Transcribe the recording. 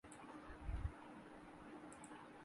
دھرنے کے بعد تو کم ہی لوگ ہیں جنہیں اس پر شک ہے۔